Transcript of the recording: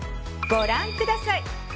ご覧ください。